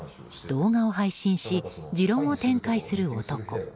動画を配信し持論を展開する男。